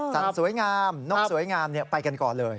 สวยงามนกสวยงามไปกันก่อนเลย